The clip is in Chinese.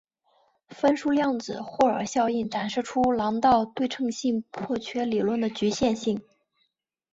分数量子霍尔效应展示出朗道对称性破缺理论的局限性。